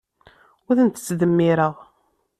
Ur tent-ttdemmireɣ.